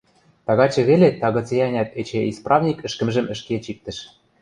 Тагачы веле тагыце-ӓнят эче исправник ӹшкӹмжӹм ӹшке чиктӹш.